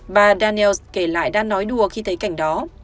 bà daniels kể lại đã nói đùa khi thấy cảnh đó